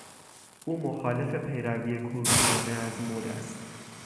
او مخالف پیروی کورکورانه از مد است.